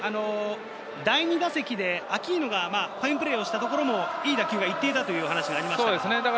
第２打席でアキーノがファインプレーをしたところも、いい打球が行っていました。